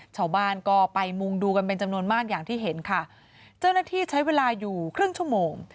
ชาวบ้านก็ไปมุงดูกันเป็นจำนวนมากอย่างที่เห็นค่ะเจ้าหน้าที่ใช้เวลาอยู่ครึ่งชั่วโมง